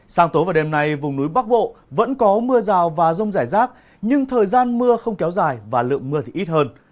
sáng tối và đêm nay vùng núi bắc bộ vẫn có mưa rào và rông rải rác nhưng thời gian mưa không kéo dài và lượng mưa thì ít hơn